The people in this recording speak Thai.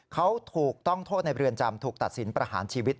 เขาถูกต้องโทษในเรือนจำถูกตัดสินประหารชีวิต